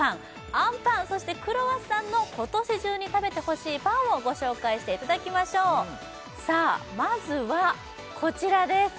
あんパンそしてクロワッサンの今年中に食べてほしいパンをご紹介していただきましょうさあまずはこちらです